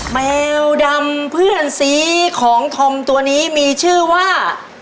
แมวดำเพื่อนสีของธอมตัวนี้มีชื่อว่า